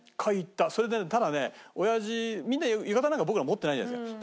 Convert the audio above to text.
それでねただねおやじみんな浴衣なんか僕ら持ってないじゃないですか。